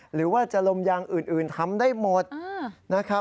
หรือว่าจะลมยางอื่นทำได้หมดนะครับ